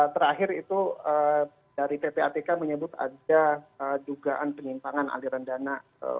terakhir itu dari ppatk menyebut ada dugaan penyimpangan aliran dana